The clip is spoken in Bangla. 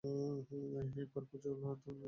একবার খোঁজও লইতেন না।